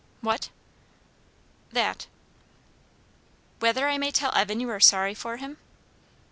"What?" "That." "Whether I may tell Evan you are sorry for him?"